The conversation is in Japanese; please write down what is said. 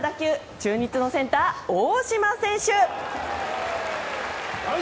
中日のセンター、大島選手。